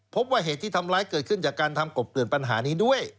พบว่าเหตุที่ทำร้ายเกิดขึ้นจากการทำกลบเกลื่อนปัญหานี้ด้วย